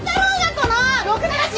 このろくでなし！